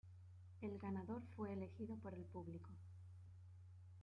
El ganador fue elegido por el público.